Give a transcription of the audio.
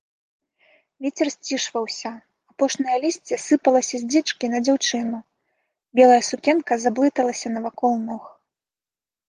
Вецер сцішваўся, апошняе лісце сыпалася з дзічкі на дзяўчыну, белая сукенка заблыталася навакол ног.